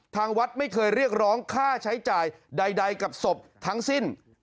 ทางวัดไม่เคยเรียกร้องค่าใช้จ่ายใดกับศพทั้งสิ้น